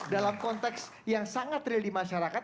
dalam konteks yang sangat real di masyarakat